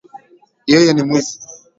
Yeye ni mwizi.